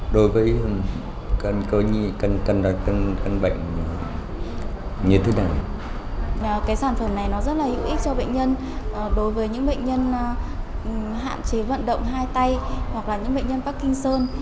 đối với những bệnh nhân hạn chế vận động hai tay hoặc là những bệnh nhân phát kinh sơn